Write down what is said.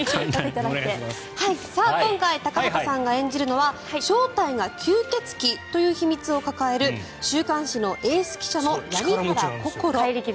今回高畑さんが演じるのは正体が吸血鬼という秘密を抱える週刊誌のエース記者の闇原こころ。